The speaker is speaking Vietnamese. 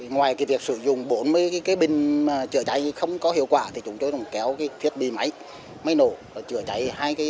ngoài việc sử dụng bốn mươi cái bình chữa cháy không có hiệu quả thì chúng tôi cũng kéo cái thiết bị máy máy nổ chữa cháy